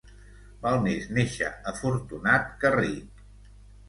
Val més néixer afortunat que ric.